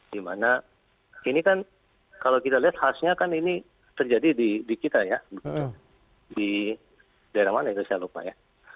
dimana ini kan kalau kita lihat khasnya kan ini terjadi di kita ya di daerah mana itu saya lupa ya